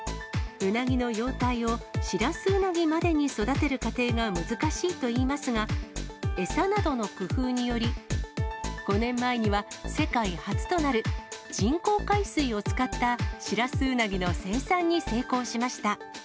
ウナギの幼体をシラスウナギまでに育てる過程が難しいといいますが、餌などの工夫により、５年前には世界初となる人工海水を使ったシラスウナギの生産に成功しました。